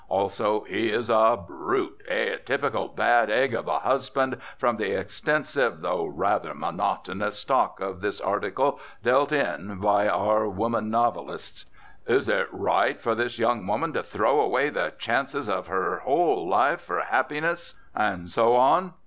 Also he is a brute, a typical bad egg of a husband from the extensive though rather monotonous stock of this article dealt in by our women novelists. Is it right for this young woman to throw away the chances of her whole life for happiness and so on?